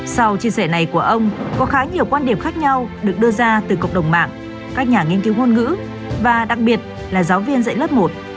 sau chia sẻ này của ông có khá nhiều quan điểm khác nhau được đưa ra từ cộng đồng mạng các nhà nghiên cứu ngôn ngữ và đặc biệt là giáo viên dạy lớp một